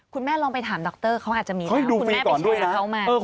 คุณแม่ลองไปถามดรเขาอาจจะมีแล้วคุณแม่ไปแชร์เข้ามาเขาให้ดูฟรีก่อนด้วยนะ